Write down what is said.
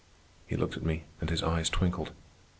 He looked at me, and his eyes twinkled.